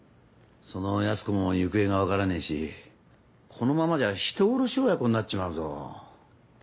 その泰子も行方がわからねえしこのままじゃ人殺し親子になっちまうぞ。